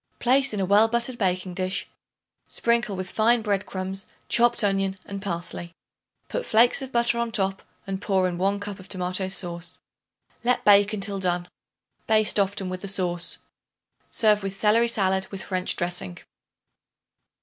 Place in a well buttered baking dish; sprinkle with fine bread crumbs, chopped onion and parsley. Put flakes of butter on top and pour in 1 cup of tomato sauce. Let bake until done. Baste often with the sauce. Serve with celery salad with French dressing.